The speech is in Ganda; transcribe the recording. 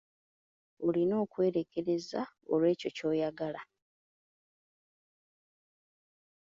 Olina okwerekereza olw'ekyo ky'oyagala.